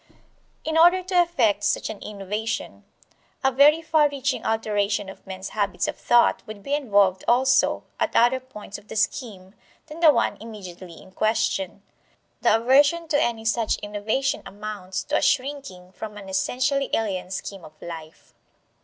In order to effect such an innovation a very far reaching alteration of men's habits of thought would be involved also at other points of the scheme than the one immediately in question. The aversion to any such innovation amounts to a shrinking from an essentially alien scheme of life.